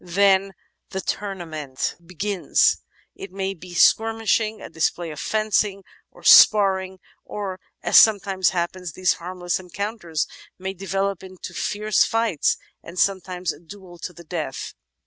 Then the toumaqient begins. It may be mere skirmishing, a display of fencing, or "sparring," or, as sometimes happens, these harmless encounters may develop into fierce fights and sometimes a duel to the death.